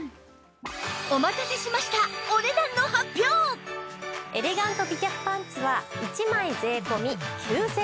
お待たせしましたエレガント美脚パンツは１枚税込９０００円。